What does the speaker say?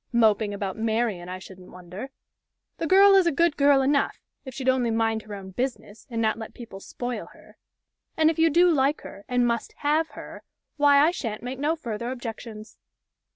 Moping about Marian, I shouldn't wonder. The girl is a good girl enough, if she'd only mind her own business, and not let people spoil her. And if you do like her, and must have her, why I shan't make no further objections."